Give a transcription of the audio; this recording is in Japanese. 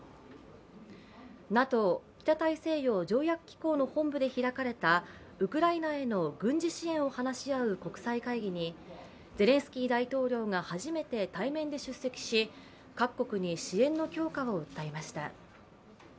ＮＡＴＯ＝北大西洋条約機構の本部で開かれたウクライナへの軍事支援を話し合う国際会議にゼレンスキー大統領が初めて対面で出席し各国に支援の強化を訴えました。